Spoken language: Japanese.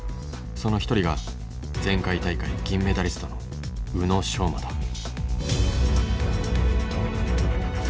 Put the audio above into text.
その一人が前回大会銀メダリストの宇野昌磨だ。